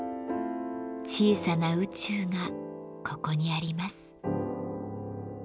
小さな宇宙がここにあります。